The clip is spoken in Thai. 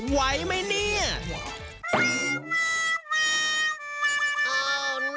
ไหวไหมเนี่ย